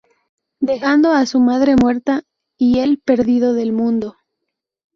Dejando a su madre muerta y el perdido del mundo.